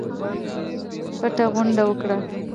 پټه غونډه وکړه.